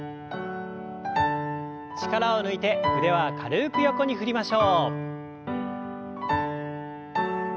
力を抜いて腕は軽く横に振りましょう。